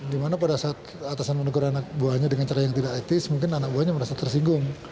dimana pada saat atasan menegur anak buahnya dengan cara yang tidak etis mungkin anak buahnya merasa tersinggung